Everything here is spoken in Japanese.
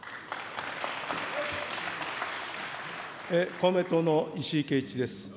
公明党の石井啓一です。